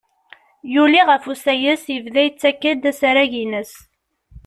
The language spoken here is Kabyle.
Yuli ɣef usayes, yebda yettakk-d asarag-ines.